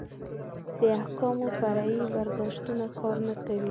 د احکامو فرعي برداشتونه کار نه کوي.